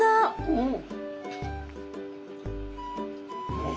うん。